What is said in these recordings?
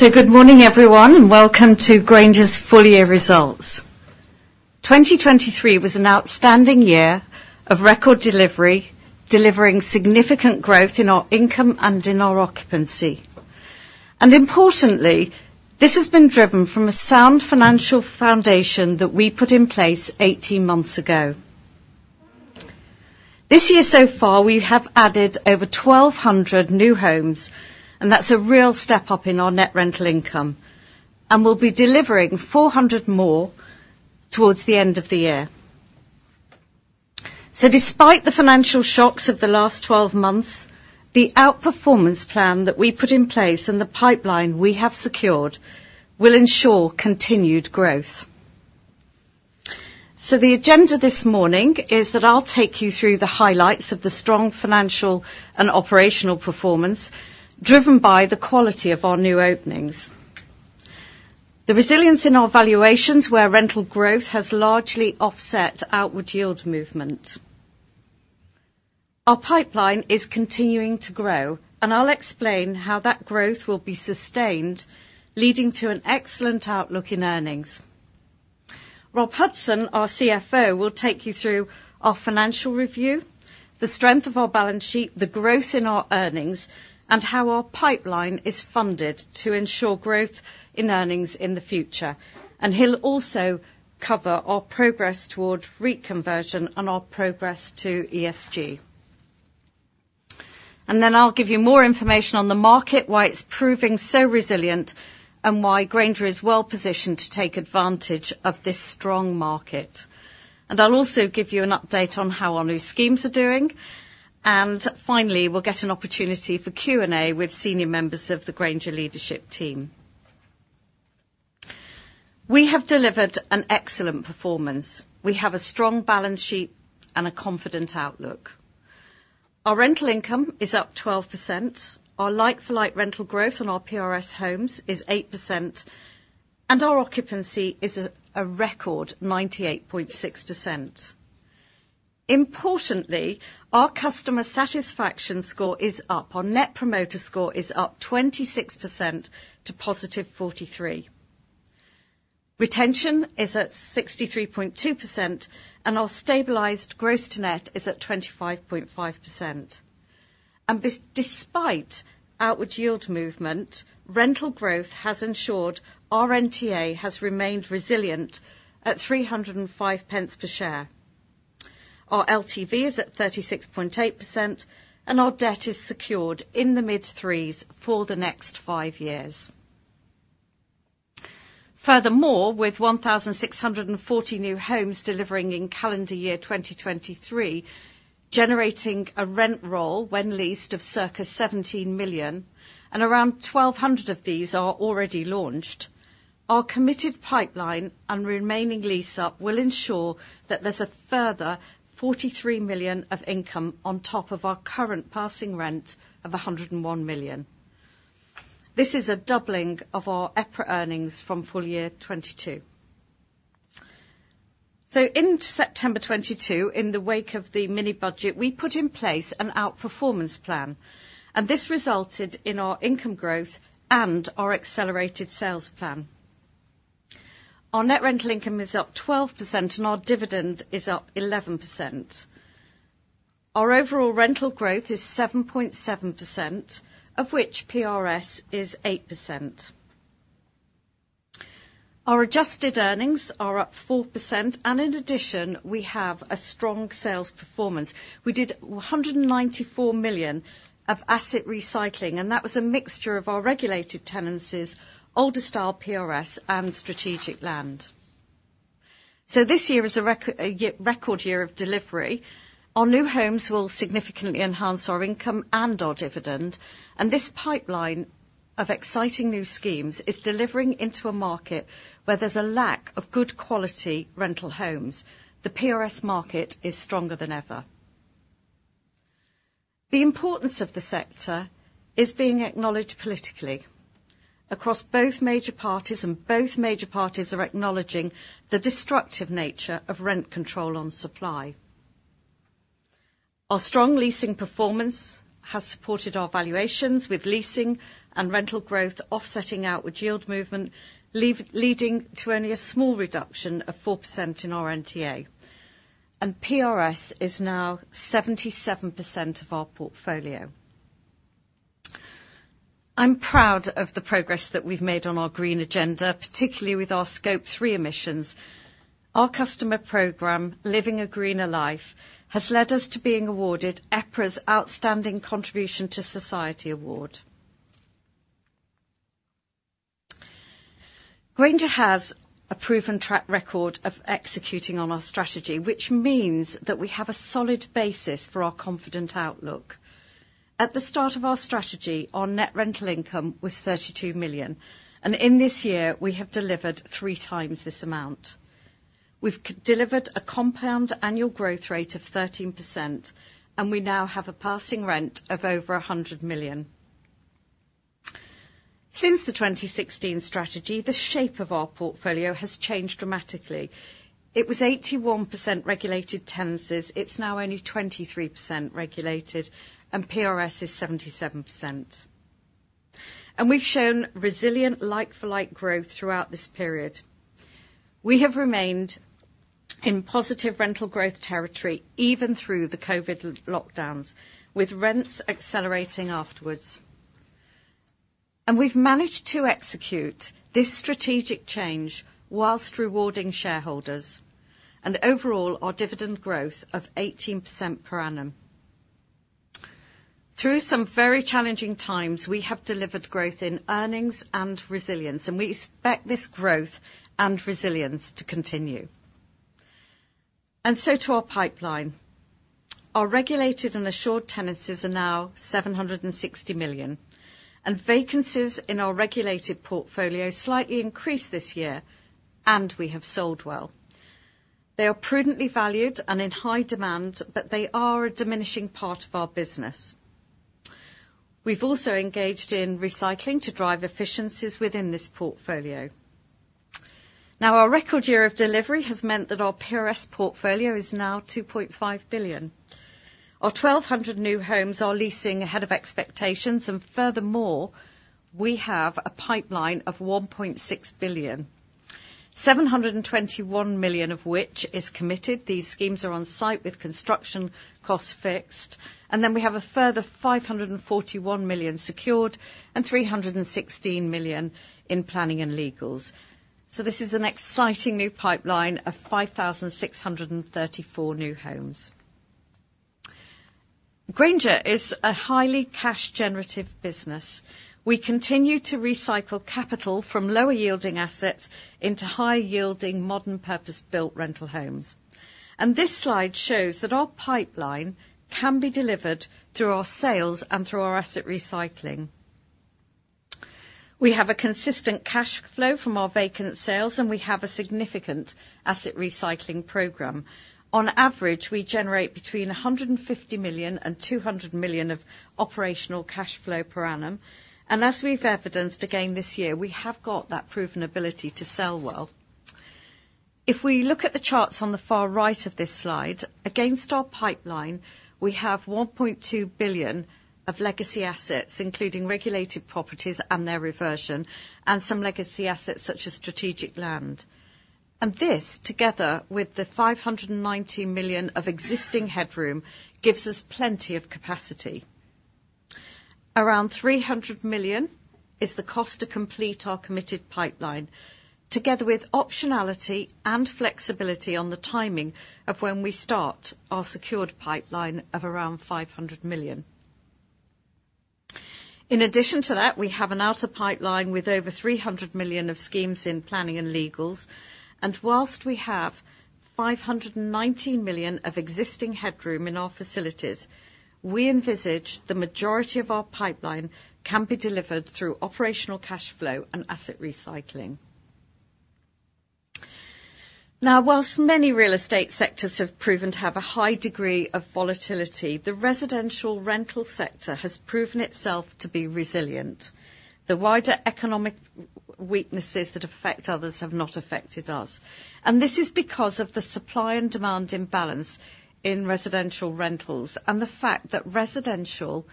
Good morning, everyone, and welcome to Grainger's full year results. 2023 was an outstanding year of record delivery, delivering significant growth in our income and in our occupancy. Importantly, this has been driven from a sound financial foundation that we put in place 18 months ago. This year, so far, we have added over 1,200 new homes, and that's a real step up in our net rental income, and we'll be delivering 400 more towards the end of the year. Despite the financial shocks of the last 12 months, the outperformance plan that we put in place and the pipeline we have secured will ensure continued growth. The agenda this morning is that I'll take you through the highlights of the strong financial and operational performance, driven by the quality of our new openings. The resilience in our valuations, where rental growth has largely offset outward yield movement. Our pipeline is continuing to grow, and I'll explain how that growth will be sustained, leading to an excellent outlook in earnings. Rob Hudson, our CFO, will take you through our financial review, the strength of our balance sheet, the growth in our earnings, and how our pipeline is funded to ensure growth in earnings in the future. He'll also cover our progress toward REIT conversion and our progress to ESG. Then I'll give you more information on the market, why it's proving so resilient, and why Grainger is well-positioned to take advantage of this strong market. I'll also give you an update on how our new schemes are doing, and finally, we'll get an opportunity for Q&A with senior members of the Grainger leadership team. We have delivered an excellent performance. We have a strong balance sheet and a confident outlook. Our rental income is up 12%, our like-for-like rental growth on our PRS homes is 8%, and our occupancy is a record 98.6%. Importantly, our customer satisfaction score is up. Our Net Promoter Score is up 26% to +43. Retention is at 63.2%, and our stabilized gross-to-net is at 25.5%. Despite outward yield movement, rental growth has ensured our NTA has remained resilient at 305 pence per share. Our LTV is at 36.8%, and our debt is secured in the mid-3s for the next five years. Furthermore, with 1,640 new homes delivering in calendar year 2023, generating a rent roll when leased of circa 17 million, and around 1,200 of these are already launched, our committed pipeline and remaining lease up will ensure that there's a further 43 million of income on top of our current passing rent of 101 million. This is a doubling of our EPRA earnings from full year 2022. So in September 2022, in the wake of the mini budget, we put in place an outperformance plan, and this resulted in our income growth and our accelerated sales plan. Our net rental income is up 12% and our dividend is up 11%. Our overall rental growth is 7.7%, of which PRS is 8%. Our Adjusted Earnings are up 4%, and in addition, we have a strong sales performance. We did 194 million of asset recycling, and that was a mixture of our Regulated Tenancies, older style PRS, and strategic land. So this year is a record year of delivery. Our new homes will significantly enhance our income and our dividend, and this pipeline of exciting new schemes is delivering into a market where there's a lack of good quality rental homes. The PRS market is stronger than ever. The importance of the sector is being acknowledged politically across both major parties, and both major parties are acknowledging the destructive nature of rent control on supply. Our strong leasing performance has supported our valuations, with leasing and rental growth offsetting outward yield movement, leading to only a small reduction of 4% in our NTA. PRS is now 77% of our portfolio. I'm proud of the progress that we've made on our green agenda, particularly with our Scope 3 emissions. Our customer program, Living a Greener Life, has led us to being awarded EPRA's Outstanding Contribution to Society award. Grainger has a proven track record of executing on our strategy, which means that we have a solid basis for our confident outlook. At the start of our strategy, our net rental income was 32 million, and in this year, we have delivered three times this amount. We've delivered a compound annual growth rate of 13%, and we now have a passing rent of over 100 million.... Since the 2016 strategy, the shape of our portfolio has changed dramatically. It was 81% regulated tenancies. It's now only 23% regulated, and PRS is 77%. And we've shown resilient, like-for-like growth throughout this period. We have remained in positive rental growth territory, even through the COVID lockdowns, with rents accelerating afterwards. And we've managed to execute this strategic change while rewarding shareholders, and overall, our dividend growth of 18% per annum. Through some very challenging times, we have delivered growth in earnings and resilience, and we expect this growth and resilience to continue. And so to our pipeline. Our regulated and assured tenancies are now 760 million, and vacancies in our regulated portfolio slightly increased this year, and we have sold well. They are prudently valued and in high demand, but they are a diminishing part of our business. We've also engaged in recycling to drive efficiencies within this portfolio. Now, our record year of delivery has meant that our PRS portfolio is now 2.5 billion. Our 1,200 new homes are leasing ahead of expectations, and furthermore, we have a pipeline of 1.6 billion, 721 million of which is committed. These schemes are on site with construction costs fixed, and then we have a further 541 million secured and 316 million in planning and legals. So this is an exciting new pipeline of 5,634 new homes. Grainger is a highly cash-generative business. We continue to recycle capital from lower-yielding assets into high-yielding, modern, purpose-built rental homes. And this slide shows that our pipeline can be delivered through our sales and through our asset recycling. We have a consistent cash flow from our vacant sales, and we have a significant asset recycling program. On average, we generate between 150 million and 200 million of operational cash flow per annum, and as we've evidenced again this year, we have got that proven ability to sell well. If we look at the charts on the far right of this slide, against our pipeline, we have 1.2 billion of legacy assets, including regulated properties and their reversion, and some legacy assets, such as strategic land. And this, together with the 590 million of existing headroom, gives us plenty of capacity. Around 300 million is the cost to complete our committed pipeline, together with optionality and flexibility on the timing of when we start our secured pipeline of around 500 million. In addition to that, we have an outer pipeline with over 300 million of schemes in planning and legals, and while we have 590 million of existing headroom in our facilities, we envisage the majority of our pipeline can be delivered through operational cash flow and asset recycling. Now, while many real estate sectors have proven to have a high degree of volatility, the residential rental sector has proven itself to be resilient. The wider economic weaknesses that affect others have not affected us, and this is because of the supply and demand imbalance in residential rentals, and the fact that residential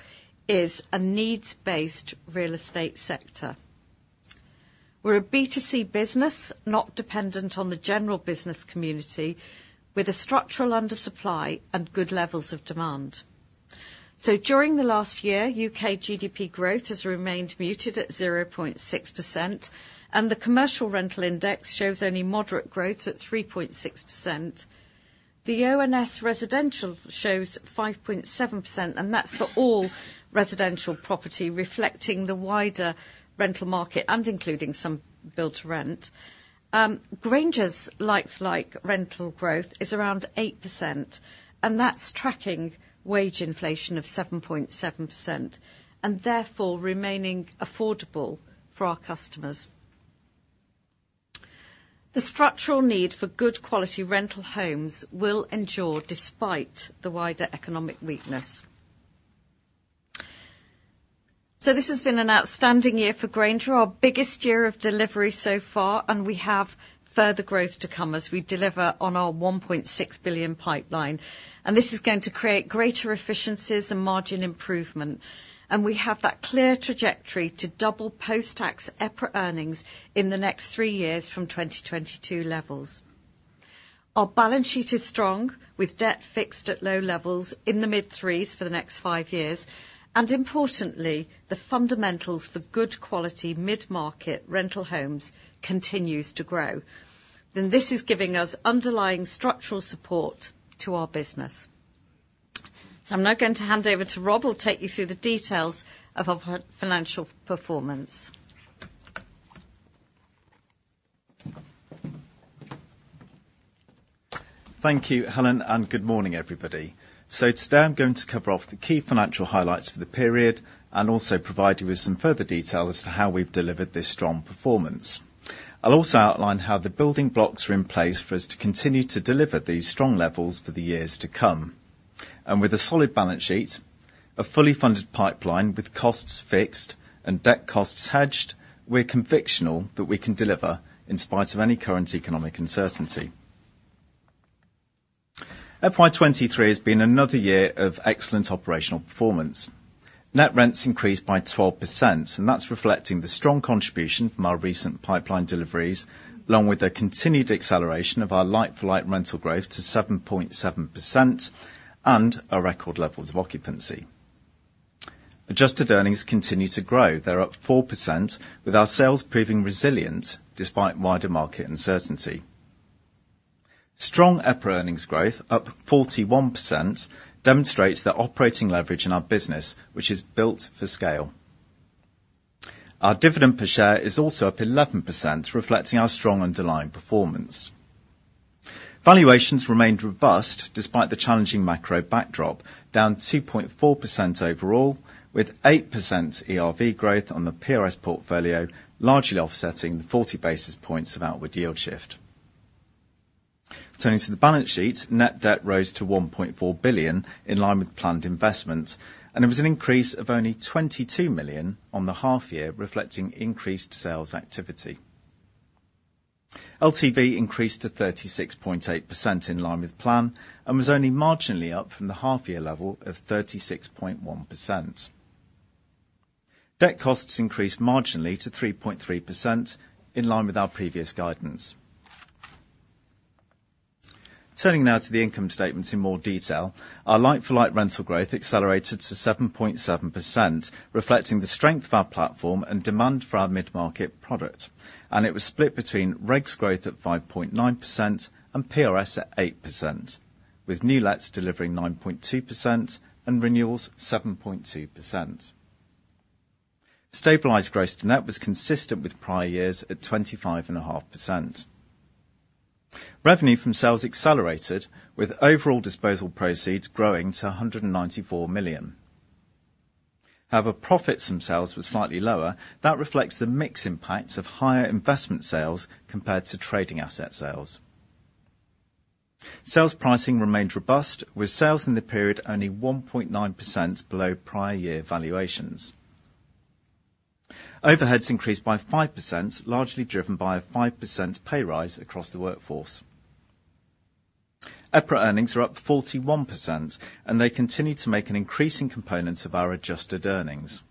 is a needs-based real estate sector. We're a B2C business, not dependent on the general business community, with a structural undersupply and good levels of demand. During the last year, UK GDP growth has remained muted at 0.6%, and the commercial rental index shows only moderate growth at 3.6%. The ONS residential shows 5.7%, and that's for all residential property, reflecting the wider rental market and including some build to rent. Grainger's like-for-like rental growth is around 8%, and that's tracking wage inflation of 7.7%, and therefore remaining affordable for our customers. The structural need for good quality rental homes will endure despite the wider economic weakness. So this has been an outstanding year for Grainger, our biggest year of delivery so far, and we have further growth to come as we deliver on our 1.6 billion pipeline, and this is going to create greater efficiencies and margin improvement. And we have that clear trajectory to double post-tax EPRA earnings in the next three years from 2022 levels. Our balance sheet is strong, with debt fixed at low levels in the mid-threes for the next five years, and importantly, the fundamentals for good quality, mid-market rental homes continues to grow. And this is giving us underlying structural support to our business. So I'm now going to hand over to Rob, who'll take you through the details of our financial performance. Thank you, Helen, and good morning, everybody. So today, I'm going to cover off the key financial highlights for the period and also provide you with some further detail as to how we've delivered this strong performance. I'll also outline how the building blocks are in place for us to continue to deliver these strong levels for the years to come... and with a solid balance sheet, a fully funded pipeline with costs fixed and debt costs hedged, we're confident that we can deliver, in spite of any current economic uncertainty. FY 2023 has been another year of excellent operational performance. Net rents increased by 12%, and that's reflecting the strong contribution from our recent pipeline deliveries, along with the continued acceleration of our like-for-like rental growth to 7.7%, and our record levels of occupancy. Adjusted earnings continue to grow. They're up 4%, with our sales proving resilient despite wider market uncertainty. Strong EPRA earnings growth, up 41%, demonstrates the operating leverage in our business, which is built for scale. Our dividend per share is also up 11%, reflecting our strong underlying performance. Valuations remained robust despite the challenging macro backdrop, down 2.4% overall, with 8% ERV growth on the PRS portfolio, largely offsetting the 40 basis points of outward yield shift. Turning to the balance sheet, net debt rose to GBP 1.4 billion, in line with planned investment, and there was an increase of only GBP 22 million on the half year, reflecting increased sales activity. LTV increased to 36.8% in line with plan, and was only marginally up from the half year level of 36.1%. Debt costs increased marginally to 3.3%, in line with our previous guidance. Turning now to the income statement in more detail, our like-for-like rental growth accelerated to 7.7%, reflecting the strength of our platform and demand for our mid-market product, and it was split between regs growth at 5.9% and PRS at 8%, with new lets delivering 9.2% and renewals, 7.2%. Stabilized gross net was consistent with prior years at 25.5%. Revenue from sales accelerated, with overall disposal proceeds growing to 194 million. However, profits from sales were slightly lower. That reflects the mix impact of higher investment sales compared to trading asset sales. Sales pricing remained robust, with sales in the period only 1.9% below prior year valuations. Overheads increased by 5%, largely driven by a 5% pay rise across the workforce. EPRA earnings are up 41%, and they continue to make an increasing component of our adjusted earnings.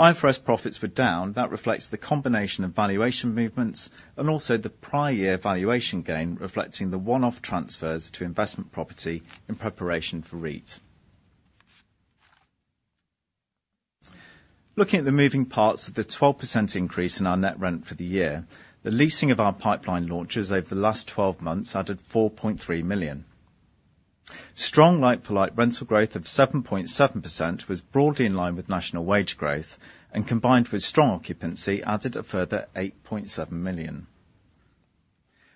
IFRS profits were down. That reflects the combination of valuation movements and also the prior year valuation gain, reflecting the one-off transfers to investment property in preparation for REIT. Looking at the moving parts of the 12% increase in our net rent for the year, the leasing of our pipeline launches over the last 12 months added 4.3 million. Strong like-for-like rental growth of 7.7% was broadly in line with national wage growth, and combined with strong occupancy, added a further 8.7 million.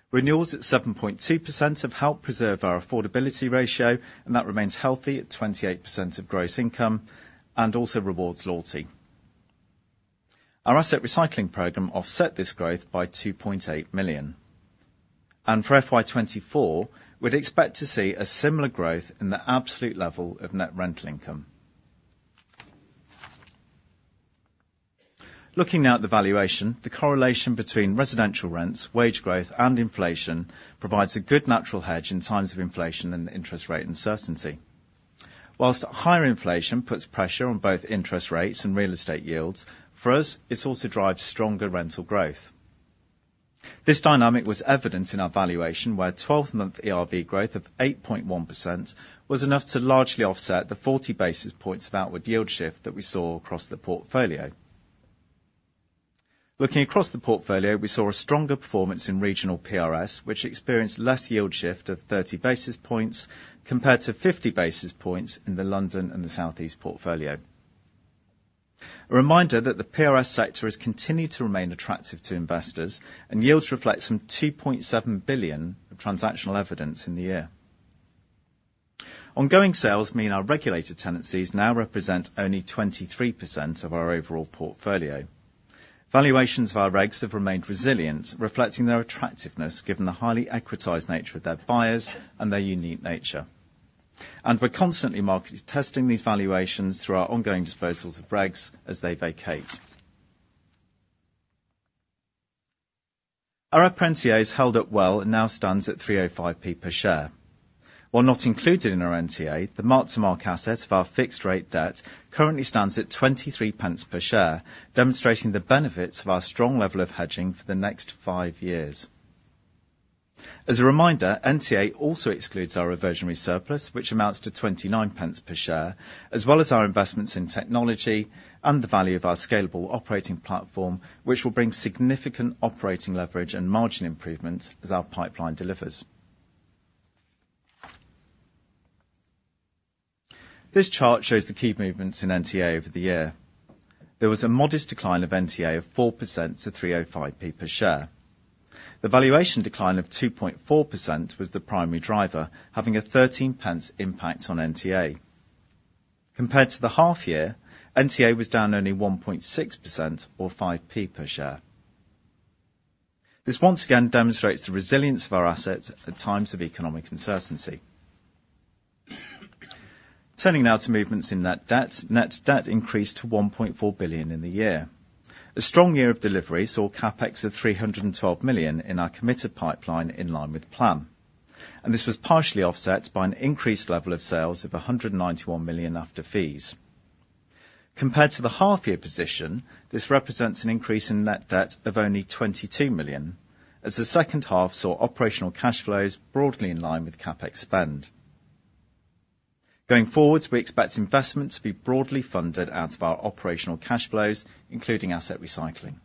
Renewals at 7.2% have helped preserve our affordability ratio, and that remains healthy at 28% of gross income, and also rewards loyalty. Our asset recycling program offset this growth by 2.8 million, and for FY 2024, we'd expect to see a similar growth in the absolute level of net rental income. Looking now at the valuation, the correlation between residential rents, wage growth, and inflation provides a good natural hedge in times of inflation and interest rate uncertainty. While higher inflation puts pressure on both interest rates and real estate yields, for us, it also drives stronger rental growth. This dynamic was evident in our valuation, where a 12-month ERV growth of 8.1% was enough to largely offset the 40 basis points of outward yield shift that we saw across the portfolio. Looking across the portfolio, we saw a stronger performance in regional PRS, which experienced less yield shift of 30 basis points, compared to 50 basis points in the London and the Southeast portfolio. A reminder that the PRS sector has continued to remain attractive to investors, and yields reflect some 2.7 billion of transactional evidence in the year. Ongoing sales mean our regulated tenancies now represent only 23% of our overall portfolio. Valuations of our regs have remained resilient, reflecting their attractiveness, given the highly equitized nature of their buyers and their unique nature. We're constantly market-testing these valuations through our ongoing disposals of regs as they vacate. Our NTA has held up well and now stands at 305p per share. While not included in our NTA, the mark to market asset of our fixed rate debt currently stands at 23 pence per share, demonstrating the benefits of our strong level of hedging for the next five years. As a reminder, NTA also excludes our reversionary surplus, which amounts to 29 pence per share, as well as our investments in technology and the value of our scalable operating platform, which will bring significant operating leverage and margin improvement as our pipeline delivers. This chart shows the key movements in NTA over the year. There was a modest decline of NTA of 4% to 305p per share. The valuation decline of 2.4% was the primary driver, having a 13 pence impact on NTA. Compared to the half year, NTA was down only 1.6% or 5p per share.... This once again demonstrates the resilience of our assets at times of economic uncertainty. Turning now to movements in net debt. Net debt increased to 1.4 billion in the year. A strong year of delivery saw CapEx of 312 million in our committed pipeline, in line with plan, and this was partially offset by an increased level of sales of 191 million after fees. Compared to the half year position, this represents an increase in net debt of only 22 million, as the second half saw operational cash flows broadly in line with CapEx spend. Going forward, we expect investment to be broadly funded out of our operational cash flows, including asset recycling.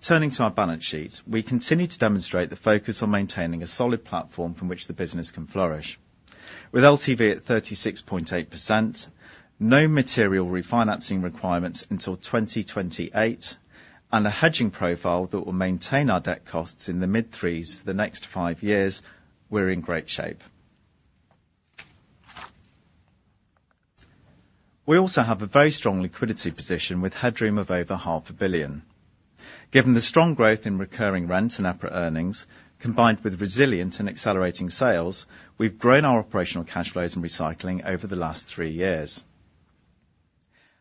Turning to our balance sheet, we continue to demonstrate the focus on maintaining a solid platform from which the business can flourish. With LTV at 36.8%, no material refinancing requirements until 2028, and a hedging profile that will maintain our debt costs in the mid-threes for the next 5 years, we're in great shape. We also have a very strong liquidity position, with headroom of over 500 million. Given the strong growth in recurring rents and EPRA earnings, combined with resilient and accelerating sales, we've grown our operational cash flows and recycling over the last three years.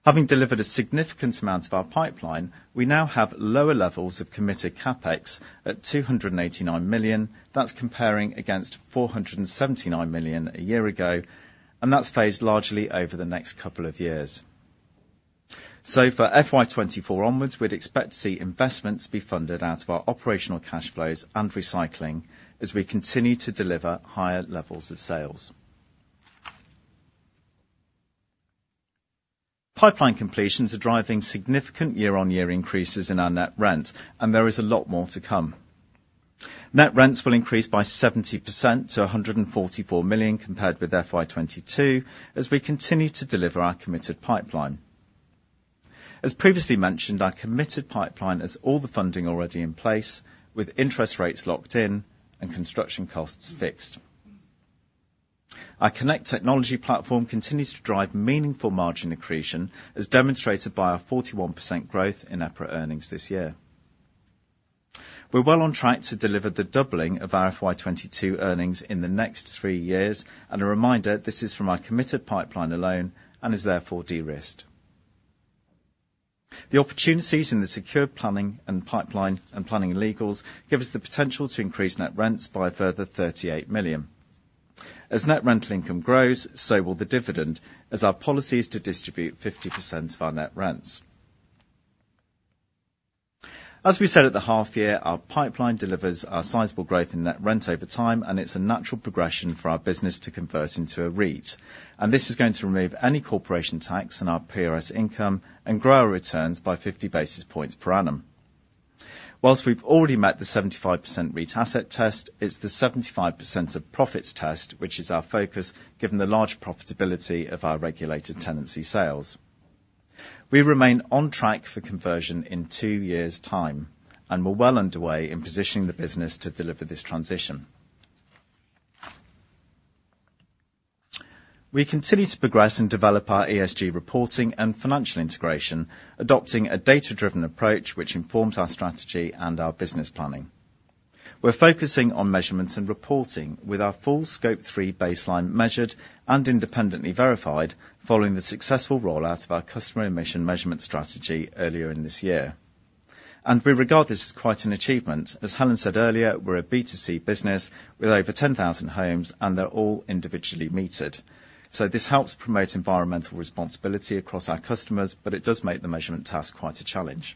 Having delivered a significant amount of our pipeline, we now have lower levels of committed CapEx at 289 million. That's comparing against 479 million a year ago, and that's phased largely over the next couple of years. So for FY 2024 onwards, we'd expect to see investments be funded out of our operational cash flows and recycling as we continue to deliver higher levels of sales. Pipeline completions are driving significant year-on-year increases in our net rent, and there is a lot more to come. Net rents will increase by 70% to 144 million, compared with FY 2022, as we continue to deliver our committed pipeline. As previously mentioned, our committed pipeline has all the funding already in place, with interest rates locked in and construction costs fixed. Our Connect technology platform continues to drive meaningful margin accretion, as demonstrated by our 41% growth in EPRA earnings this year. We're well on track to deliver the doubling of our FY 2022 earnings in the next three years, and a reminder, this is from our committed pipeline alone and is therefore de-risked. The opportunities in the secure planning, and pipeline, and planning and legals give us the potential to increase net rents by a further 38 million. As net rental income grows, so will the dividend, as our policy is to distribute 50% of our net rents. As we said at the half year, our pipeline delivers a sizable growth in net rent over time, and it's a natural progression for our business to convert into a REIT. This is going to remove any corporation tax on our PRS income and grow our returns by 50 basis points per annum. While we've already met the 75% REIT asset test, it's the 75% of profits test, which is our focus, given the large profitability of our regulated tenancy sales. We remain on track for conversion in two years' time, and we're well underway in positioning the business to deliver this transition. We continue to progress and develop our ESG reporting and financial integration, adopting a data-driven approach, which informs our strategy and our business planning. We're focusing on measurements and reporting with our full Scope 3 baseline measured and independently verified, following the successful rollout of our customer emission measurement strategy earlier in this year. And we regard this as quite an achievement. As Helen said earlier, we're a B2C business with over 10,000 homes, and they're all individually metered. So this helps promote environmental responsibility across our customers, but it does make the measurement task quite a challenge.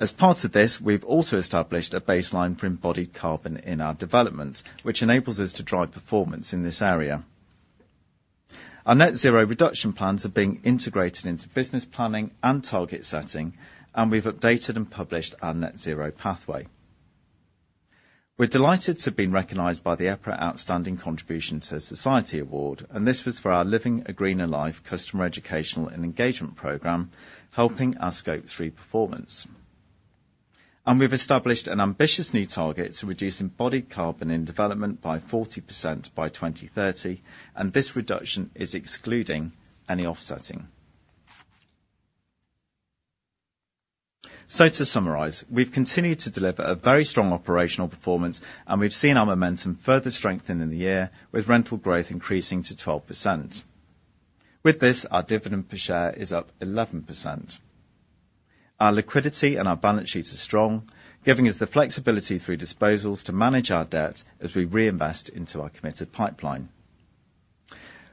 As part of this, we've also established a baseline for embodied carbon in our developments, which enables us to drive performance in this area. Our net zero reduction plans are being integrated into business planning and target setting, and we've updated and published our net zero pathway. We're delighted to have been recognized by the EPRA Outstanding Contribution to Society Award, and this was for our Living a Greener Life customer educational and engagement program, helping our Scope 3 performance. And we've established an ambitious new target to reduce embodied carbon in development by 40% by 2030, and this reduction is excluding any offsetting. So to summarize, we've continued to deliver a very strong operational performance, and we've seen our momentum further strengthen in the year, with rental growth increasing to 12%. With this, our dividend per share is up 11%. Our liquidity and our balance sheet are strong, giving us the flexibility through disposals to manage our debt as we reinvest into our committed pipeline.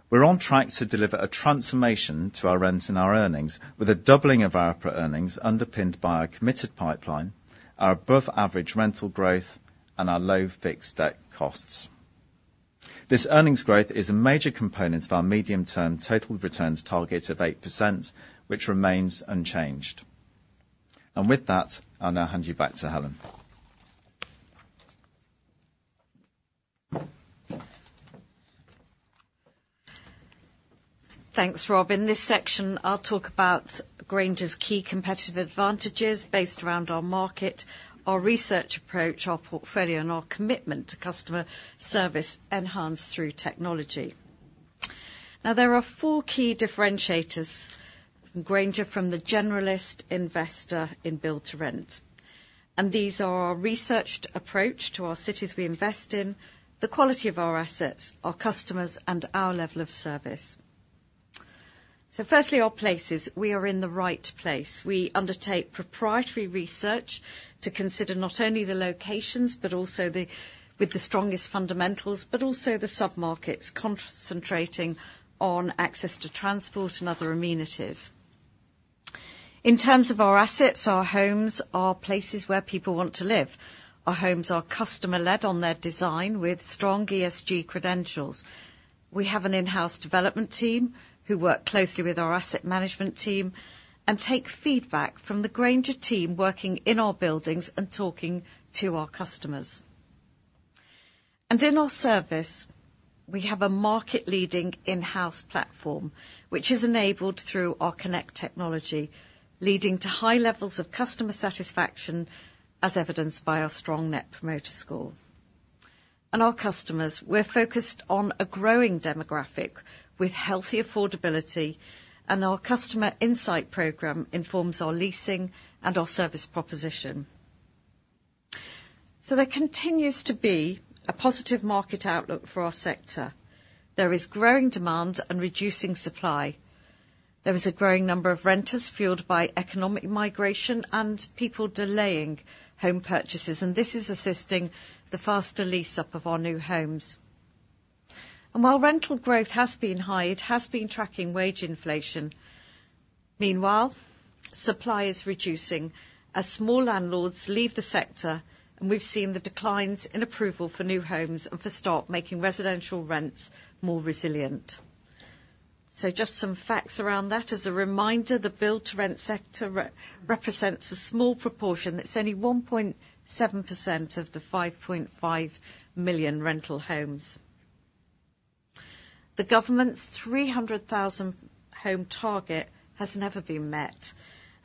We're on track to deliver a transformation to our rents and our earnings, with a doubling of our EPRA earnings underpinned by our committed pipeline, our above-average rental growth, and our low fixed debt costs. This earnings growth is a major component of our medium-term total returns target of 8%, which remains unchanged. With that, I'll now hand you back to Helen. Thanks, Rob. In this section, I'll talk about Grainger's key competitive advantages based around our market, our research approach, our portfolio, and our commitment to customer service enhanced through technology.... Now, there are four key differentiators Grainger from the generalist investor in build to rent, and these are our researched approach to our cities we invest in, the quality of our assets, our customers, and our level of service. So firstly, our places. We are in the right place. We undertake proprietary research to consider not only the locations, but also with the strongest fundamentals, but also the submarkets, concentrating on access to transport and other amenities. In terms of our assets, our homes are places where people want to live. Our homes are customer-led on their design, with strong ESG credentials. We have an in-house development team who work closely with our asset management team and take feedback from the Grainger team working in our buildings and talking to our customers. In our service, we have a market-leading in-house platform, which is enabled through our Connect technology, leading to high levels of customer satisfaction, as evidenced by our strong Net Promoter Score. Our customers, we're focused on a growing demographic with healthy affordability, and our customer insight program informs our leasing and our service proposition. There continues to be a positive market outlook for our sector. There is growing demand and reducing supply. There is a growing number of renters, fueled by economic migration and people delaying home purchases, and this is assisting the faster lease-up of our new homes. While rental growth has been high, it has been tracking wage inflation. Meanwhile, supply is reducing as small landlords leave the sector, and we've seen the declines in approval for new homes and for stock, making residential rents more resilient. So just some facts around that. As a reminder, the Build-to-Rent sector represents a small proportion. It's only 1.7% of the 5.5 million rental homes. The government's 300,000 home target has never been met,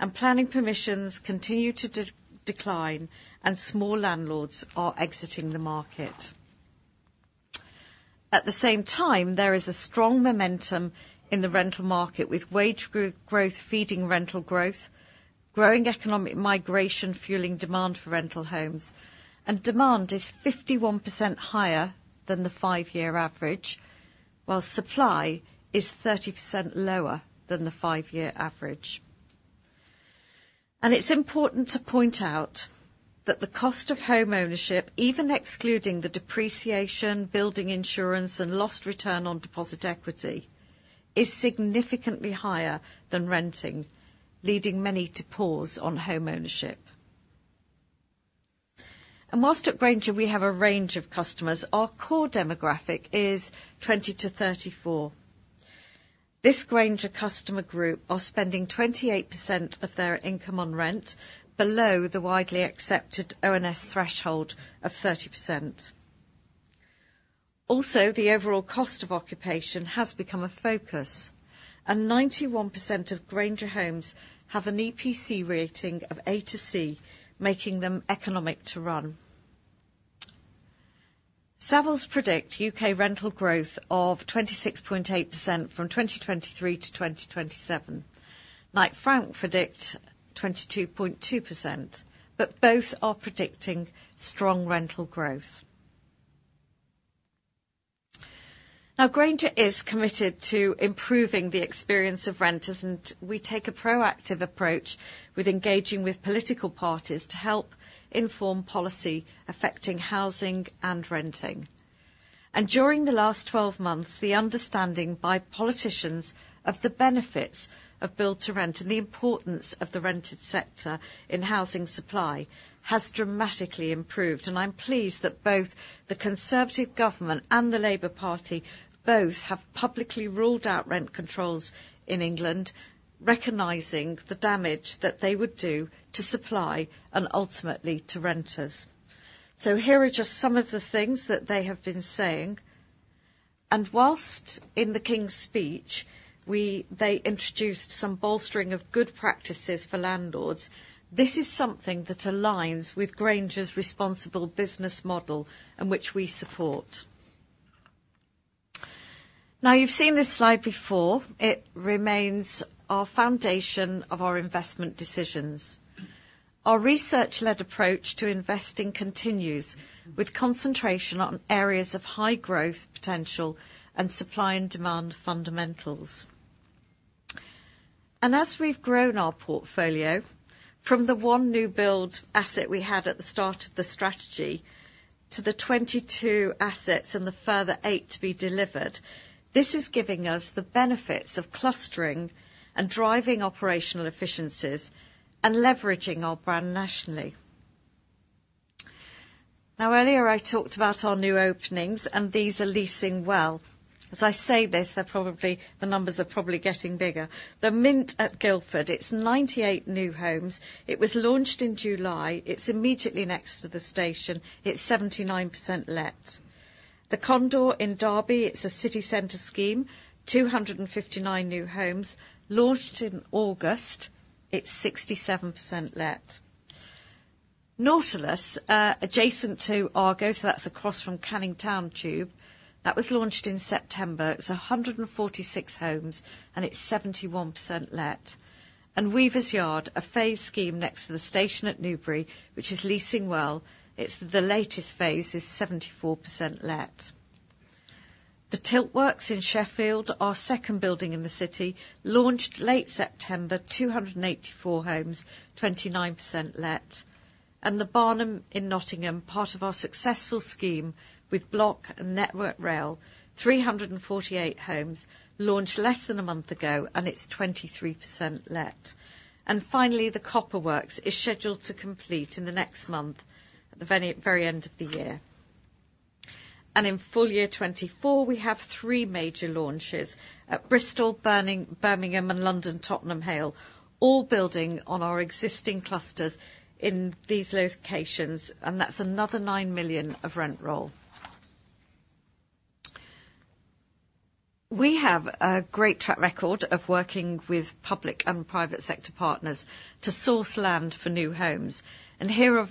and planning permissions continue to decline, and small landlords are exiting the market. At the same time, there is a strong momentum in the rental market, with wage growth feeding rental growth, growing economic migration fueling demand for rental homes, and demand is 51% higher than the five-year average, while supply is 30% lower than the five-year average. And it's important to point out that the cost of homeownership, even excluding the depreciation, building insurance, and lost return on deposit equity, is significantly higher than renting, leading many to pause on homeownership. While at Grainger, we have a range of customers, our core demographic is 20-34. This Grainger customer group are spending 28% of their income on rent below the widely accepted ONS threshold of 30%. Also, the overall cost of occupation has become a focus, and 91% of Grainger homes have an EPC rating of A to C, making them economic to run. Savills predict UK rental growth of 26.8% from 2023 to 2027. Knight Frank predict 22.2%, but both are predicting strong rental growth. Now, Grainger is committed to improving the experience of renters, and we take a proactive approach with engaging with political parties to help inform policy affecting housing and renting. During the last twelve months, the understanding by politicians of the benefits of build to rent and the importance of the rented sector in housing supply has dramatically improved, and I'm pleased that both the Conservative government and the Labour Party both have publicly ruled out rent controls in England, recognizing the damage that they would do to supply and ultimately to renters. Here are just some of the things that they have been saying. While in the King's Speech, they introduced some bolstering of good practices for landlords, this is something that aligns with Grainger's responsible business model and which we support. Now, you've seen this slide before. It remains our foundation of our investment decisions. Our research-led approach to investing continues, with concentration on areas of high growth potential and supply and demand fundamentals. As we've grown our portfolio from the one new build asset we had at the start of the strategy to the 22 assets and the further eight to be delivered, this is giving us the benefits of clustering and driving operational efficiencies and leveraging our brand nationally. Now, earlier I talked about our new openings, and these are leasing well. As I say this, they're probably the numbers are probably getting bigger. The Mint at Guildford, it's 98 new homes. It was launched in July. It's immediately next to the station. It's 79% let. The Condor in Derby, it's a city center scheme, 259 new homes. Launched in August, it's 67% let. Nautilus, adjacent to Argo, so that's across from Canning Town tube. That was launched in September. It's 146 homes, and it's 71% let. And Weaver's Yard, a phased scheme next to the station at Newbury, which is leasing well. It's the latest phase is 74% let. The Steelworks in Sheffield, our second building in the city, launched late September, 284 homes, 29% let. And The Barnum in Nottingham, part of our successful scheme with Bloc and Network Rail, 348 homes, launched less than a month ago, and it's 23% let. And finally, The Copper Works is scheduled to complete in the next month, at the very end of the year. And in full year 2024, we have three major launches at Bristol, Birmingham, and London, Tottenham Hale, all building on our existing clusters in these locations, and that's another 9 million of rent roll. We have a great track record of working with public and private sector partners to source land for new homes, and here are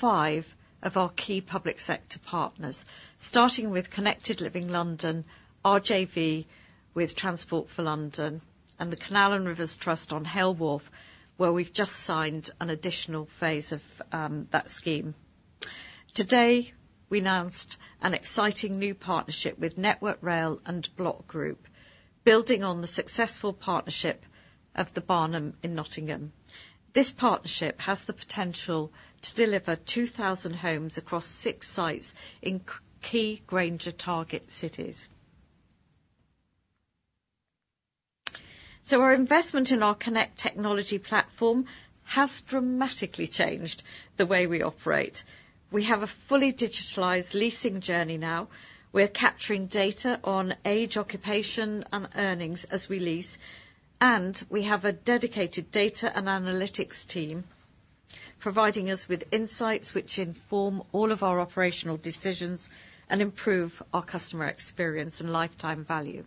five of our key public sector partners. Starting with Connected Living London JV with Transport for London, and the Canal & River Trust on Hale Wharf, where we've just signed an additional phase of that scheme. Today, we announced an exciting new partnership with Network Rail and Bloc Group, building on the successful partnership of The Barnham in Nottingham. This partnership has the potential to deliver 2,000 homes across six sites in key Grainger target cities. So our investment in our Connect technology platform has dramatically changed the way we operate. We have a fully digitalized leasing journey now. We're capturing data on age, occupation, and earnings as we lease, and we have a dedicated data and analytics team, providing us with insights which inform all of our operational decisions and improve our customer experience and lifetime value.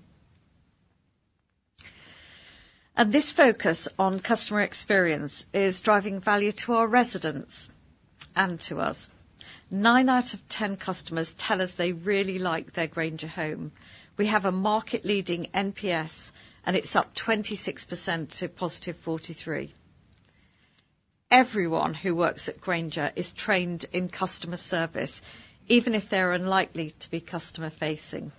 This focus on customer experience is driving value to our residents and to us. Nine out of ten customers tell us they really like their Grainger home. We have a market-leading NPS, and it's up 26% to positive 43. Everyone who works at Grainger is trained in customer service, even if they are unlikely to be customer-facing.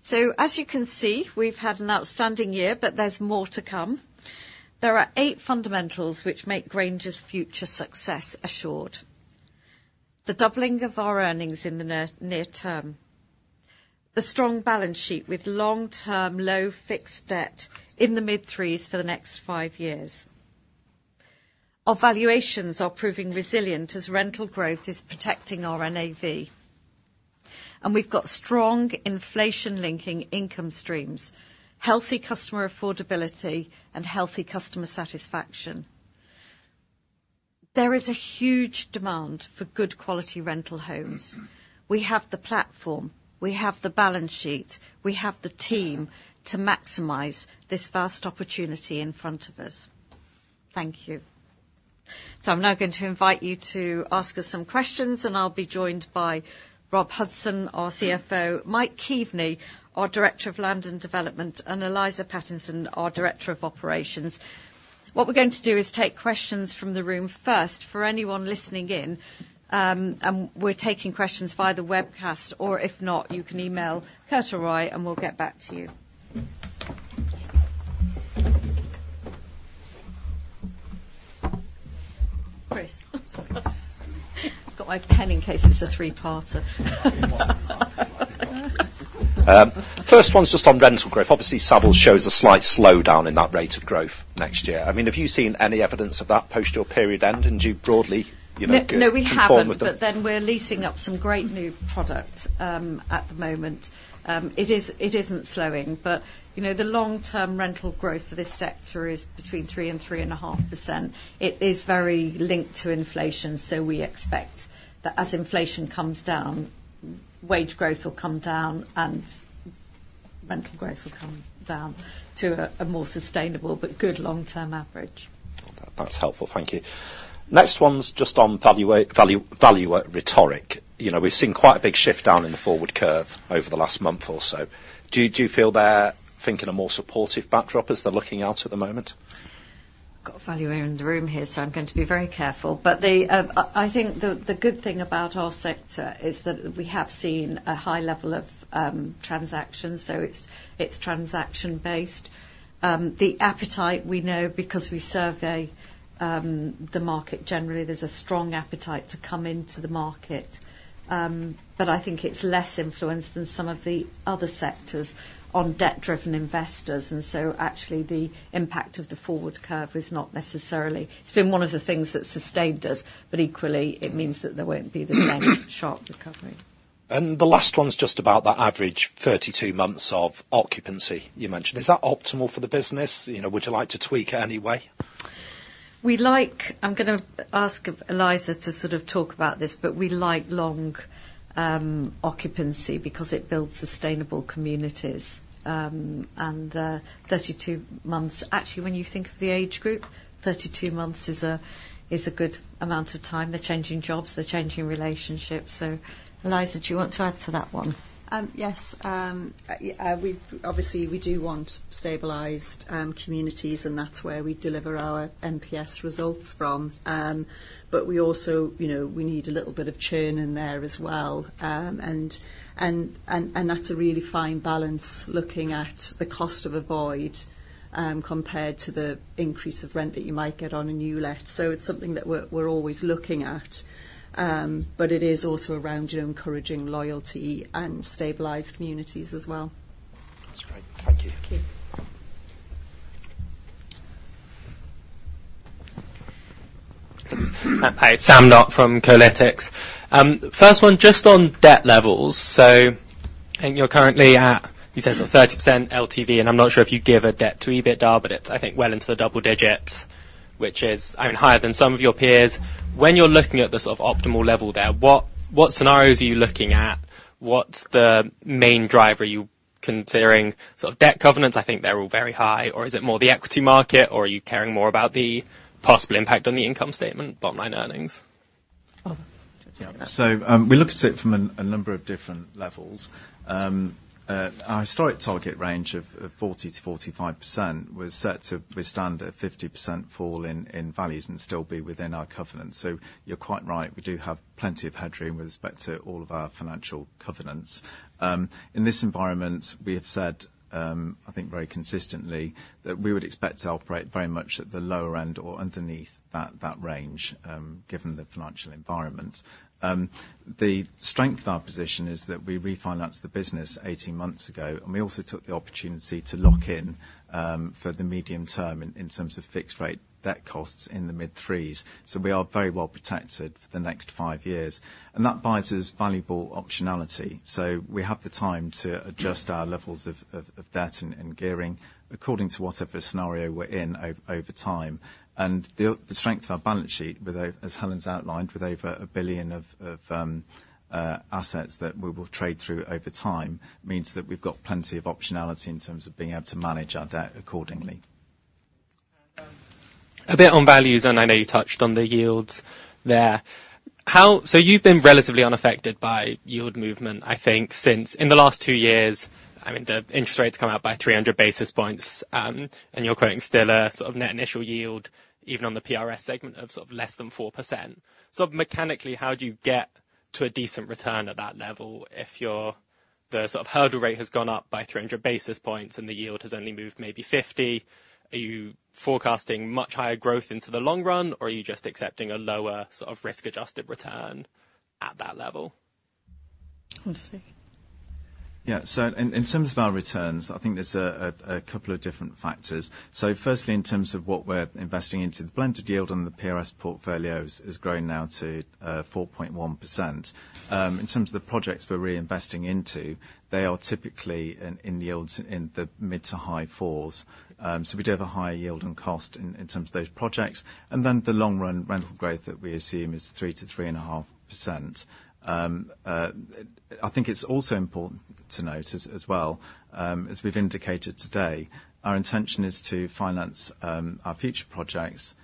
So as you can see, we've had an outstanding year, but there's more to come. There are eight fundamentals which make Grainger's future success assured. The doubling of our earnings in the near term. The strong balance sheet with long-term, low fixed debt in the mid-threes for the next five years. Our valuations are proving resilient as rental growth is protecting our NAV. We've got strong inflation-linking income streams, healthy customer affordability, and healthy customer satisfaction. There is a huge demand for good quality rental homes. We have the platform, we have the balance sheet, we have the team to maximize this vast opportunity in front of us. Thank you. I'm now going to invite you to ask us some questions, and I'll be joined by Rob Hudson, our CFO, Mike Keaveney, our Director of Land and Development, and Eliza Pattinson, our Director of Operations. What we're going to do is take questions from the room first. For anyone listening in, and we're taking questions via the webcast, or if not, you can email Kurt Mueller, and we'll get back to you. Chris? Sorry. Got my pen in case it's a three parter. First one's just on rental growth. Obviously, Savills shows a slight slowdown in that rate of growth next year. I mean, have you seen any evidence of that post your period end, and do you broadly, you know- No, no, we haven't- Conform with the- But then we're leasing up some great new product at the moment. It is, it isn't slowing, but, you know, the long-term rental growth for this sector is between 3% and 3.5%. It is very linked to inflation, so we expect that as inflation comes down, wage growth will come down, and rental growth will come down to a more sustainable, but good long-term average. That's helpful. Thank you. Next one's just on value, valuer rhetoric. You know, we've seen quite a big shift down in the forward curve over the last month or so. Do you feel they're thinking a more supportive backdrop as they're looking out at the moment? Got a valuer in the room here, so I'm going to be very careful. But I think the good thing about our sector is that we have seen a high level of transactions, so it's transaction based. The appetite, we know because we survey the market generally, there's a strong appetite to come into the market. But I think it's less influenced than some of the other sectors on debt-driven investors, and so actually, the impact of the forward curve is not necessarily... It's been one of the things that's sustained us, but equally, it means that there won't be the same sharp recovery. The last one is just about that average 32 months of occupancy you mentioned. Is that optimal for the business? You know, would you like to tweak it any way?... We like. I'm gonna ask Eliza to sort of talk about this, but we like long occupancy because it builds sustainable communities. And 32 months, actually, when you think of the age group, 32 months is a good amount of time. They're changing jobs, they're changing relationships. So, Eliza, do you want to add to that one? Yes. We obviously do want stabilized communities, and that's where we deliver our NPS results from. But we also, you know, we need a little bit of churn in there as well. And that's a really fine balance, looking at the cost of a void, compared to the increase of rent that you might get on a new let. So it's something that we're always looking at. But it is also around, you know, encouraging loyalty and stabilized communities as well. That's right. Thank you. Thank you. Hi, Sam Sheringham from Colliers. First one, just on debt levels. So I think you're currently at, you said 30% LTV, and I'm not sure if you give a debt to EBITDA, but it's, I think, well into the double digits, which is, I mean, higher than some of your peers. When you're looking at the sort of optimal level there, what scenarios are you looking at? What's the main driver you considering? Sort of debt covenants, I think they're all very high, or is it more the equity market, or are you caring more about the possible impact on the income statement, bottom line earnings? Rob? Yeah. So, we look at it from a number of different levels. Our historic target range of 40%-45% was set to withstand a 50% fall in values and still be within our covenant. So you're quite right, we do have plenty of headroom with respect to all of our financial covenants. In this environment, we have said, I think very consistently, that we would expect to operate very much at the lower end or underneath that range, given the financial environment. The strength of our position is that we refinanced the business eighteen months ago, and we also took the opportunity to lock in, for the medium term in terms of fixed rate debt costs in the mid threes. So we are very well protected for the next five years, and that buys us valuable optionality. So we have the time to adjust our levels of debt and gearing according to whatever scenario we're in over time. And the strength of our balance sheet, as Helen's outlined, with over 1 billion of assets that we will trade through over time, means that we've got plenty of optionality in terms of being able to manage our debt accordingly. A bit on values, and I know you touched on the yields there. How... So you've been relatively unaffected by yield movement, I think, since... In the last two years, I mean, the interest rates have gone up by 300 basis points, and you're quoting still a sort of net initial yield, even on the PRS segment, of sort of less than 4%. So mechanically, how do you get to a decent return at that level if your, the sort of hurdle rate has gone up by 300 basis points, and the yield has only moved maybe 50? Are you forecasting much higher growth into the long run, or are you just accepting a lower sort of risk-adjusted return at that level? Want to say? Yeah. So in terms of our returns, I think there's a couple of different factors. So firstly, in terms of what we're investing into, the blended yield on the PRS portfolio is growing now to 4.1%. In terms of the projects we're reinvesting into, they are typically in yields in the mid- to high 4s. So we do have a higher yield and cost in terms of those projects. And then, the long run rental growth that we assume is 3%-3.5%. I think it's also important to note as well, as we've indicated today, our intention is to finance our future projects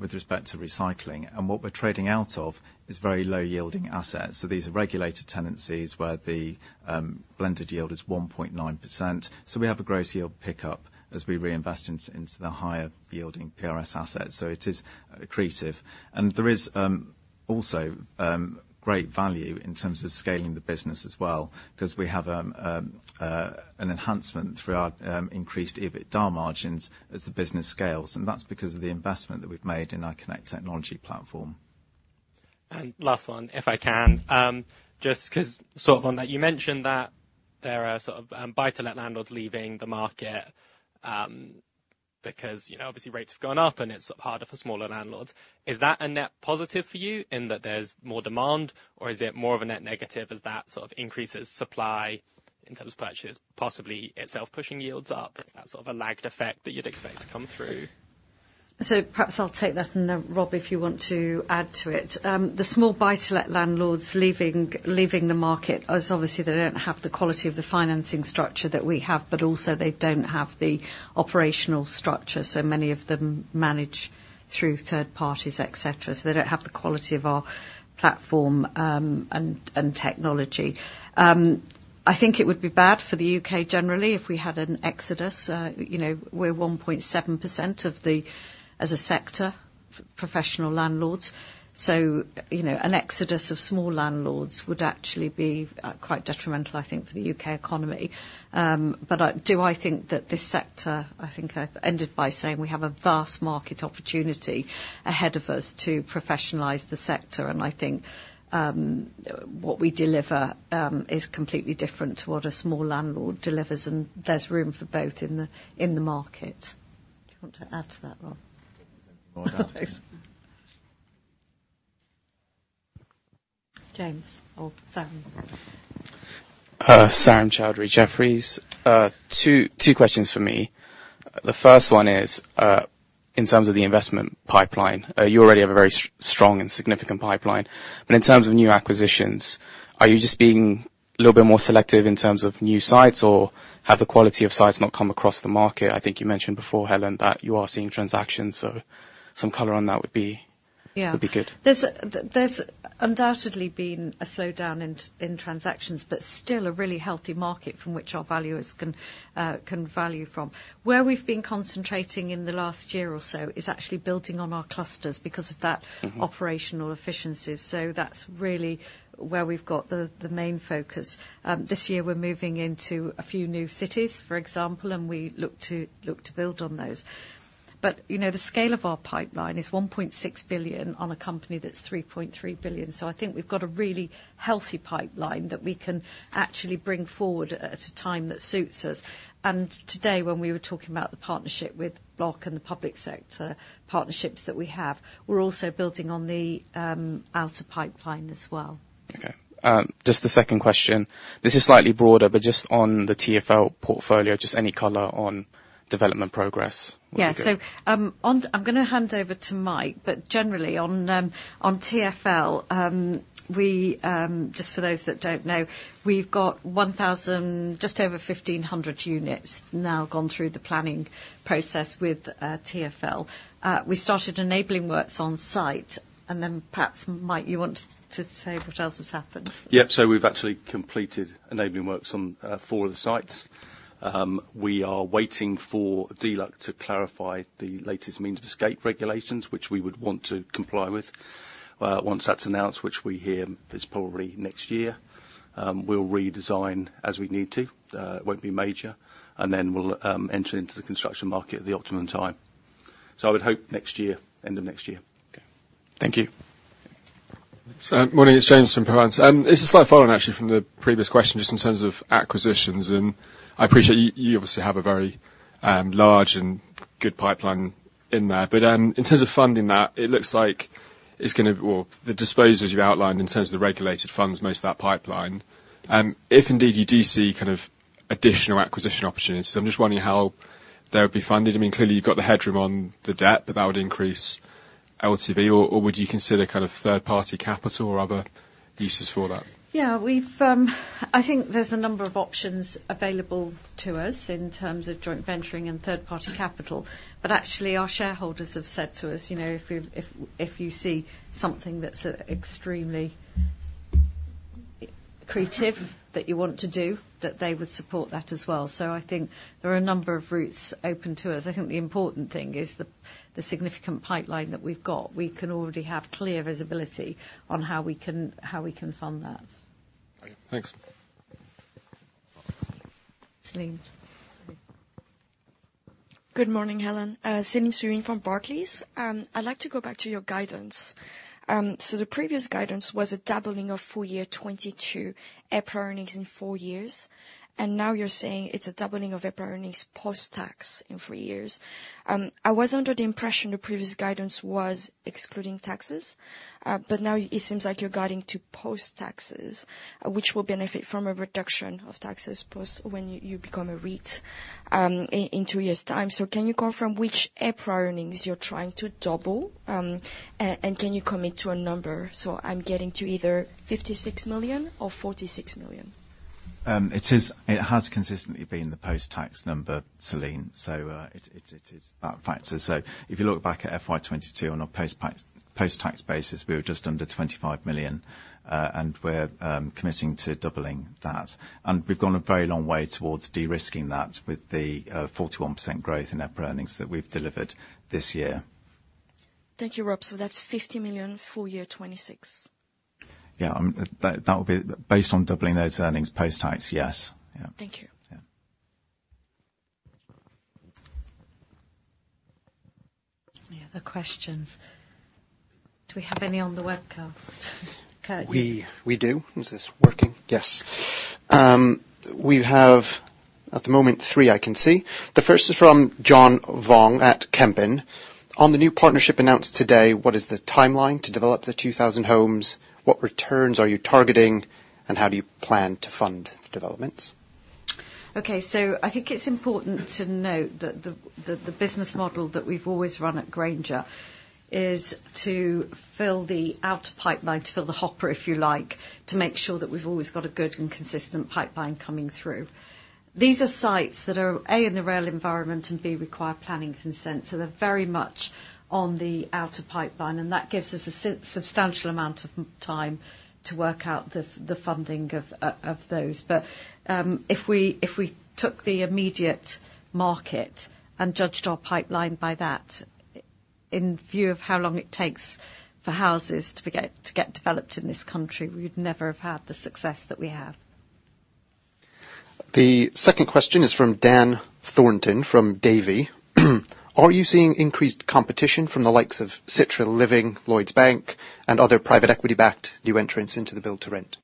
with respect to recycling. And what we're trading out of is very low-yielding assets. So these are regulated tenancies where the blended yield is 1.9%. So we have a gross yield pickup as we reinvest into the higher-yielding PRS assets. So it is accretive. And there is also great value in terms of scaling the business as well, 'cause we have an enhancement through our increased EBITDA margins as the business scales, and that's because of the investment that we've made in our Connect technology platform. Last one, if I can. Just 'cause sort of on that, you mentioned that there are sort of buy-to-let landlords leaving the market, because, you know, obviously rates have gone up, and it's harder for smaller landlords. Is that a net positive for you in that there's more demand, or is it more of a net negative as that sort of increases supply in terms of purchases, possibly itself pushing yields up? Is that sort of a lagged effect that you'd expect to come through? So perhaps I'll take that, and then, Rob, if you want to add to it. The small buy-to-let landlords leaving the market is obviously they don't have the quality of the financing structure that we have, but also they don't have the operational structure, so many of them manage through third parties, et cetera. So they don't have the quality of our platform, and technology. I think it would be bad for the UK generally if we had an exodus. You know, we're 1.7% of the, as a sector, professional landlords, so, you know, an exodus of small landlords would actually be quite detrimental, I think, for the UK economy. But do I think that this sector... I think I ended by saying we have a vast market opportunity ahead of us to professionalize the sector, and I think, what we deliver, is completely different to what a small landlord delivers, and there's room for both in the, in the market. Do you want to add to that, Rob? No, I don't think so.... James or Sam? Sam Crullun Raymond James. Two questions for me. The first one is, in terms of the investment pipeline, you already have a very strong and significant pipeline, but in terms of new acquisitions, are you just being a little bit more selective in terms of new sites, or have the quality of sites not come across the market? I think you mentioned before, Helen, that you are seeing transactions, so some color on that would be- Yeah would be good. There's undoubtedly been a slowdown in transactions, but still a really healthy market from which our valuers can value from. Where we've been concentrating in the last year or so is actually building on our clusters because of that- Mm-hmm... operational efficiencies. So that's really where we've got the main focus. This year we're moving into a few new cities, for example, and we look to build on those. But, you know, the scale of our pipeline is 1.6 billion on a company that's 3.3 billion. So I think we've got a really healthy pipeline that we can actually bring forward at a time that suits us. And today, when we were talking about the partnership with Block and the public sector partnerships that we have, we're also building on the outer pipeline as well. Okay. Just the second question, this is slightly broader, but just on the TfL portfolio, just any color on development progress would be good. Yeah. So, on... I'm gonna hand over to Mike, but generally, on, on TfL, we just for those that don't know, we've got 1,000, just over 1,500 units now gone through the planning process with TfL. We started enabling works on site, and then perhaps, Mike, you want to say what else has happened? Yeah. So we've actually completed enabling works on, four of the sites. We are waiting for DLUHC to clarify the latest means of escape regulations, which we would want to comply with. Once that's announced, which we hear is probably next year, we'll redesign as we need to. It won't be major, and then we'll enter into the construction market at the optimum time. So I would hope next year, end of next year. Okay. Thank you. So morning, it's James from Berenberg. It's a slight follow-on, actually, from the previous question, just in terms of acquisitions, and I appreciate you. You obviously have a very large and good pipeline in there. But in terms of funding that, it looks like it's gonna. Well, the disposals you've outlined in terms of the regulated funds, most of that pipeline, if indeed you do see kind of additional acquisition opportunities, I'm just wondering how they would be funded. I mean, clearly, you've got the headroom on the debt, but that would increase LTV, or would you consider kind of third-party capital or other uses for that? Yeah, we've, I think there's a number of options available to us in terms of joint venturing and third-party capital, but actually, our shareholders have said to us, you know, if we, if you see something that's extremely creative that you want to do, that they would support that as well. So I think there are a number of routes open to us. I think the important thing is the significant pipeline that we've got. We can already have clear visibility on how we can fund that. Okay. Thanks. Celine. Good morning, Helen. Celine Huynh from Barclays. I'd like to go back to your guidance. So the previous guidance was a doubling of full year 2022 EPRA earnings in 4 years, and now you're saying it's a doubling of EPRA earnings post-tax in 3 years. I was under the impression the previous guidance was excluding taxes, but now it seems like you're guiding to post-taxes, which will benefit from a reduction of taxes post when you become a REIT, in 2 years' time. So can you confirm which EPRA earnings you're trying to double? And can you commit to a number? So I'm getting to either 56 million or 46 million. It is, it has consistently been the post-tax number, Celine. So, it is that factor. So if you look back at FY 2022 on a post-tax basis, we were just under 25 million. And we're committing to doubling that. And we've gone a very long way towards de-risking that with the 41% growth in EPRA earnings that we've delivered this year. Thank you, Rob. So that's 50 million, full year 2026? Yeah, that would be based on doubling those earnings post-tax, yes. Yeah. Thank you. Yeah. Any other questions? Do we have any on the webcast? Kurt. We do. Is this working? Yes. We have, at the moment, three I can see. The first is from John Vuong at Kempen: On the new partnership announced today, what is the timeline to develop the 2,000 homes? What returns are you targeting, and how do you plan to fund the developments? Okay, so I think it's important to note that the business model that we've always run at Grainger is to fill the outer pipeline, to fill the hopper, if you like, to make sure that we've always got a good and consistent pipeline coming through. These are sites that are, A, in the rail environment and, B, require planning consent, so they're very much on the outer pipeline, and that gives us a substantial amount of time to work out the funding of those. But if we took the immediate market and judged our pipeline by that, in view of how long it takes for houses to get developed in this country, we'd never have had the success that we have. The second question is from Dan Thornton, from Davy. Are you seeing increased competition from the likes of Citra Living, Lloyds Bank, and other private equity-backed new entrants into the Build to Rent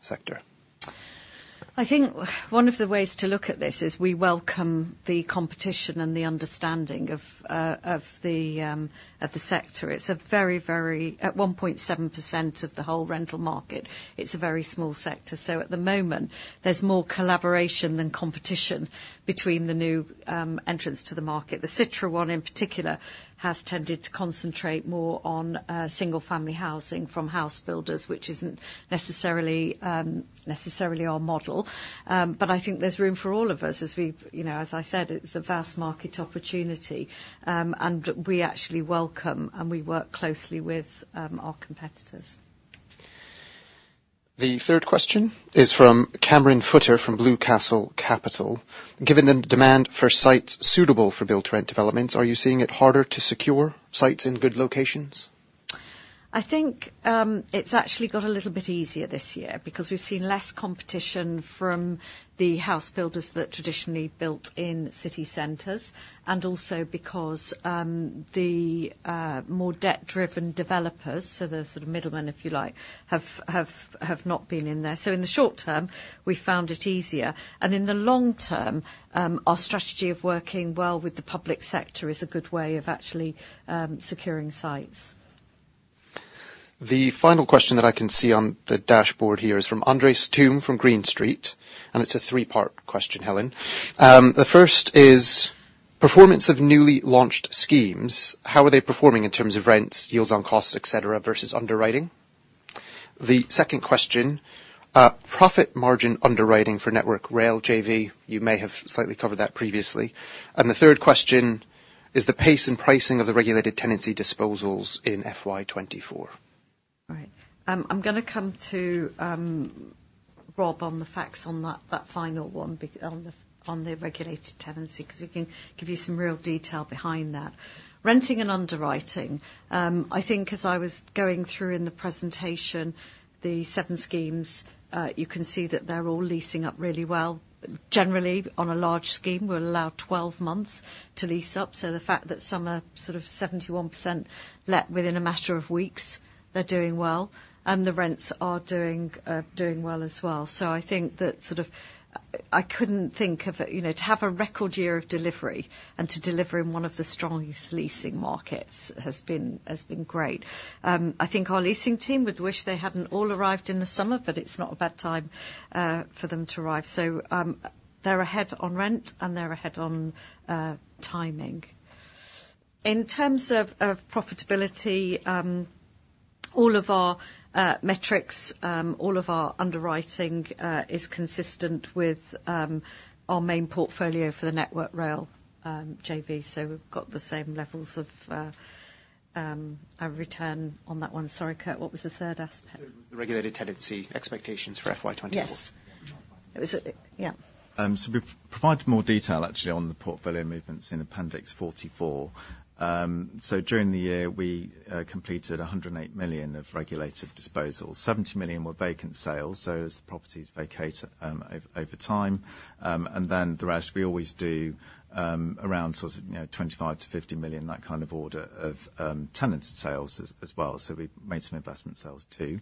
sector? I think one of the ways to look at this is we welcome the competition and the understanding of the sector. It's a very. At 1.7% of the whole rental market, it's a very small sector. So at the moment, there's more collaboration than competition between the new entrants to the market. The Citra one, in particular, has tended to concentrate more on single-family housing from house builders, which isn't necessarily our model. But I think there's room for all of us, as you know, as I said, it's a vast market opportunity. And we actually welcome, and we work closely with our competitors. The third question is from Cameron Foster from Blue Coast Capital. Given the demand for sites suitable for build to rent developments, are you seeing it harder to secure sites in good locations? I think, it's actually got a little bit easier this year because we've seen less competition from the house builders that traditionally built in city centers, and also because the more debt-driven developers, so the sort of middlemen, if you like, have not been in there. So in the short term, we found it easier, and in the long term, our strategy of working well with the public sector is a good way of actually securing sites. The final question that I can see on the dashboard here is from Andreas Struwe, from Green Street, and it's a three-part question, Helen. The first is: performance of newly launched schemes, how are they performing in terms of rents, yields on costs, et cetera, versus underwriting? The second question: profit margin underwriting for Network Rail JV. You may have slightly covered that previously. And the third question is the pace and pricing of the regulated tenancy disposals in FY 2024. All right. I'm gonna come to Rob on the facts on that final one on the regulated tenancy, 'cause we can give you some real detail behind that. Renting and underwriting, I think as I was going through in the presentation, the seven schemes, you can see that they're all leasing up really well. Generally, on a large scheme, we'll allow 12 months to lease up. So the fact that some are sort of 71% let within a matter of weeks, they're doing well, and the rents are doing well as well. So I think that sort of... I couldn't think of a, you know, to have a record year of delivery and to deliver in one of the strongest leasing markets has been great. I think our leasing team would wish they hadn't all arrived in the summer, but it's not a bad time for them to arrive. So, they're ahead on rent, and they're ahead on timing. In terms of profitability, all of our metrics, all of our underwriting, is consistent with our main portfolio for the Network Rail JV, so we've got the same levels of a return on that one. Sorry, Kurt, what was the third aspect? The Regulated Tenancy expectations for FY 2024. Yes. It was... Yeah. So we've provided more detail, actually, on the portfolio movements in Appendix 44. So during the year, we completed 108 million of regulated disposals. 70 million were vacant sales, so as the properties vacate, over time, and then the rest, we always do, around sort of, you know, 25-50 million, that kind of order of, tenanted sales as well. So we made some investment sales, too.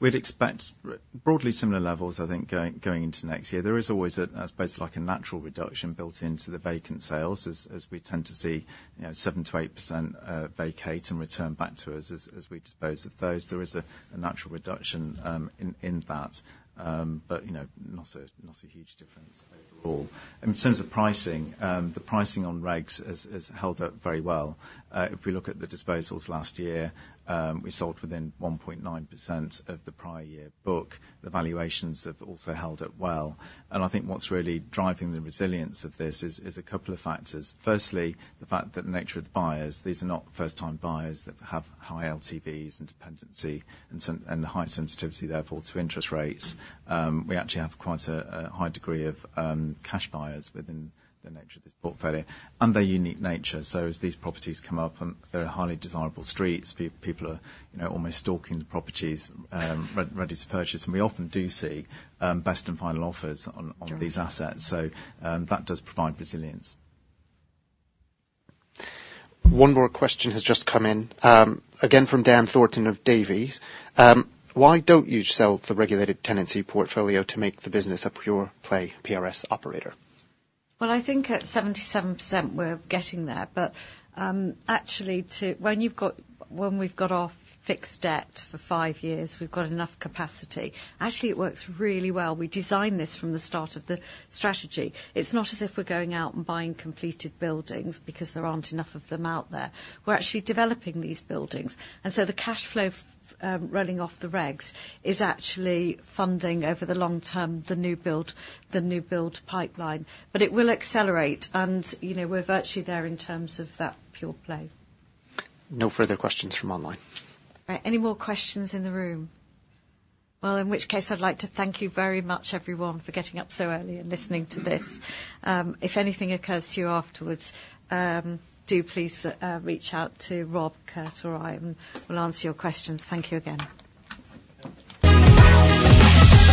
We'd expect broadly similar levels, I think, going into next year. There is always, I suppose, like a natural reduction built into the vacant sales, as we tend to see, you know, 7%-8% vacate and return back to us as we dispose of those. There is a natural reduction in that, but you know, not a huge difference overall. In terms of pricing, the pricing on regs has held up very well. If we look at the disposals last year, we sold within 1.9% of the prior year book. The valuations have also held up well. And I think what's really driving the resilience of this is a couple of factors. Firstly, the fact that the nature of the buyers, these are not first-time buyers that have high LTVs and dependency and a high sensitivity, therefore, to interest rates. We actually have quite a high degree of cash buyers within the nature of this portfolio and their unique nature. So as these properties come up, and they're highly desirable streets, people are, you know, almost stalking the properties, ready to purchase. We often do see best and final offers on these assets. That does provide resilience. One more question has just come in, again, from Dan Thornton of Davy. Why don't you sell the regulated tenancy portfolio to make the business a pure play PRS operator? Well, I think at 77%, we're getting there. But actually, when we've got our fixed debt for five years, we've got enough capacity. Actually, it works really well. We designed this from the start of the strategy. It's not as if we're going out and buying completed buildings because there aren't enough of them out there. We're actually developing these buildings, and so the cash flow rolling off the regs is actually funding, over the long term, the new build, the new build pipeline. But it will accelerate, and you know, we're virtually there in terms of that pure play. No further questions from online. All right, any more questions in the room? Well, in which case, I'd like to thank you very much, everyone, for getting up so early and listening to this. If anything occurs to you afterwards, do please reach out to Rob, Kurt, or I, and we'll answer your questions. Thank you again.